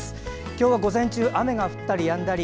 今日は午前中雨が降ったりやんだり。